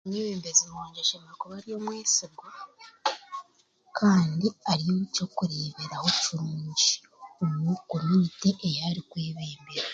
Omwebembezi wangye ashemerire kuba ari omwesigwa kandi ari ekyokureeberaho kirungi omu komyunite ei arikwebembera.